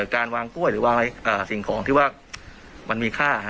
การวางกล้วยหรือวางสิ่งของที่ว่ามันมีค่า